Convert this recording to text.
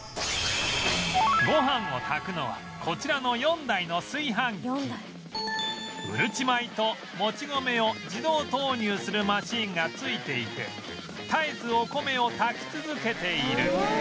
ご飯を炊くのはこちらのうるち米ともち米を自動投入するマシンが付いていて絶えずお米を炊き続けている